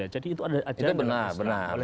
jadi itu adalah ajaran dari masyarakat